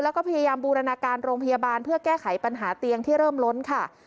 แล้วก็พยายามบูรณาการโรงพยาบาลเพื่อแก้ไขปัญหาเตียงที่เริ่มล้นค่ะ